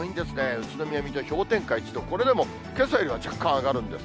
宇都宮、水戸、氷点下１度、これでもけさよりは若干上がるんです。